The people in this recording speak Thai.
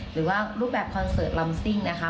หรือว่ารูปแบบคอนเสิร์ตลำซิ่งนะคะ